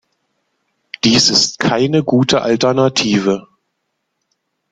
Dies ist keine gute Alternative.